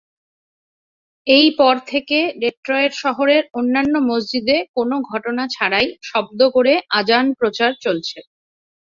এই পর থেকে, ডেট্রয়েট শহরের অন্যন্য মসজিদে কোন ঘটনা ছাড়াই শব্দ করে আযান প্রচার চলছে।